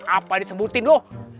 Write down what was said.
apa disebutin lu